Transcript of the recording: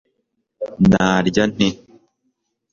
narya nte